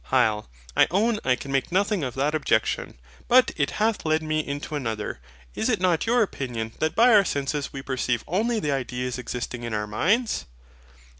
HYL. I own I can make nothing of that objection: but it hath led me into another. Is it not your opinion that by our senses we perceive only the ideas existing in our minds?